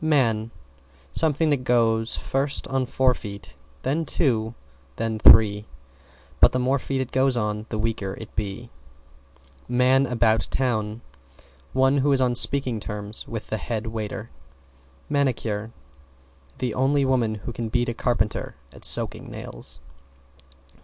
=MAN= Something that "Goes first on four feet, then two feet, then three, but the more feet it goes on the weaker it be!" =MAN ABOUT TOWN= One who is on speaking terms with the head waiter. =MANICURE= The only woman who can beat a carpenter at soaking nails.